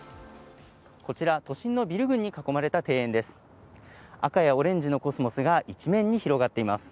こちら、都心のビル群に囲まれた庭園です。